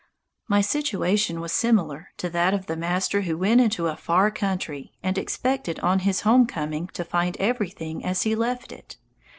My situation was similar to that of the master who went into a far country and expected on his home coming to find everything as he left it.